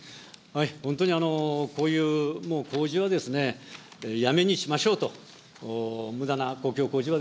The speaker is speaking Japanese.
本当にこういうもう工事はやめにしましょうと、むだな公共工事は。